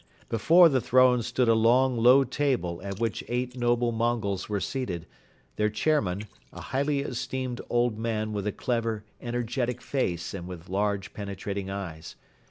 Before the throne stood a long, low table at which eight noble Mongols were seated, their chairman, a highly esteemed old man with a clever, energetic face and with large penetrating eyes.